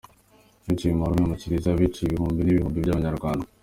Biciye marume mu kiliziya, bahiciye ibihumbi n’ibihumbi by’Abanyarwanda.